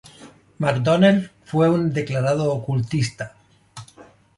Mcdonnell, fue un declarado Ocultista.